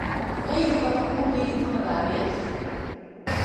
Freegje wat de oanbieding fan 'e dei is.